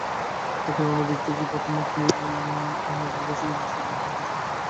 অতএব আমরা দেখিতেছি, প্রথমত এই ন্যাজারেথবাসী যীশু যথার্থই প্রাচ্য ভাবে ভাবিত ছিলেন।